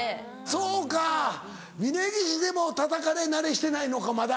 そうか峯岸でもたたかれ慣れしてないのかまだ。